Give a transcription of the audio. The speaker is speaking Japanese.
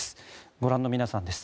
ご覧の皆さんです。